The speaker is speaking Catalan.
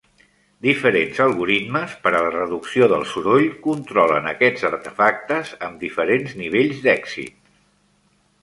Diferents algoritmes per a la reducció del soroll controlen aquests artefactes amb diferents nivells d'èxit.